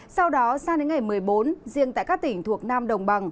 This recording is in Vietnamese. sau đó sang đến ngày một mươi bốn riêng tại các tỉnh thuộc nam đồng bằng